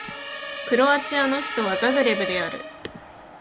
クロアチアの首都はザグレブである